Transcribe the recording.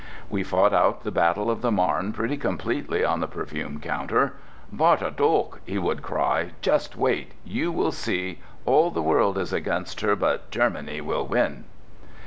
We fought out the battle of the Marne pretty completely on the perfume counter. "Warte doch!" he would cry. "Just wait! You will see! All the world is against her, but Germany will win!"